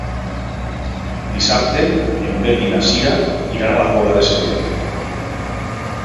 Dissabte en Pep i na Cira iran a la Pobla de Segur.